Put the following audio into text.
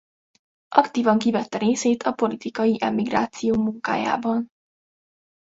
Aktívan kivette részét a politikai emigráció munkájában.